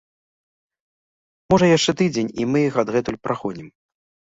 Можа яшчэ тыдзень, і мы іх адгэтуль прагонім.